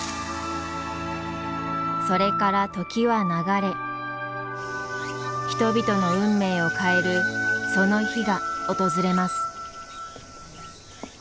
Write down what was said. それから時は流れ人々の運命を変えるその日が訪れます。